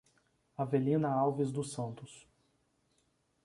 Avelina Alves do Santos